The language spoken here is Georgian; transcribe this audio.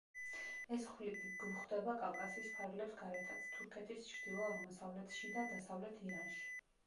ეს ხვლიკი გვხდება კავკასიის ფარგლებს გარეთაც, თურქეთის ჩრდილო-აღმოსავლეთში და დასავლეთ ირანში.